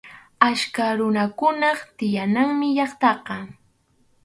Achka runakunap tiyananmi llaqtaqa.